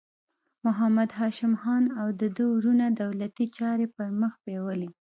محمد هاشم خان او د ده وروڼو دولتي چارې پر مخ بیولې.